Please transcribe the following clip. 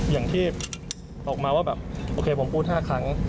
อย่างที่ออกมาว่าแบบโอเคผมพูด๕ครั้ง